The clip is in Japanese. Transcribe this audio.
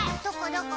どこ？